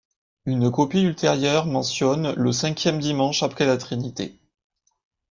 Une copie ultérieure mentionne le cinquième dimanche après la Trinité.